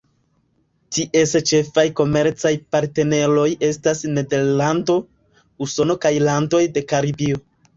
Ties ĉefaj komercaj partneroj estas Nederlando, Usono kaj landoj de Karibio.